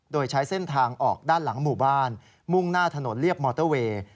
โดยใช้เส้นทางออกด้านหลังหมู่บ้านมุ่งหน้าถนนเรียบมอเตอร์เวย์